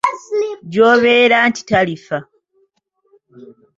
Gy'obeera nti talifa.